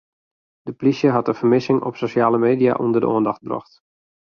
De plysje hat de fermissing op sosjale media ûnder de oandacht brocht.